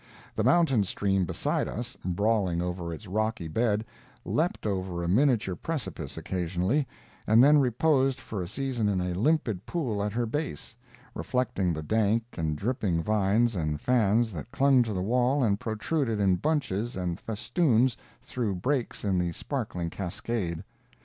The mountain stream beside us, brawling over its rocky bed, leaped over a miniature precipice occasionally, and then reposed for a season in a limpid pool at her base, reflecting the dank and dripping vines and fans that clung to the wall and protruded in bunches and festoons through breaks in the sparkling cascade.